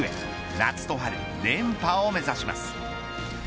夏と春、連覇を目指します。